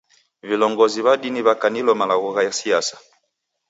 Vilongozi w'a dini wakanilo malagho gha siasa.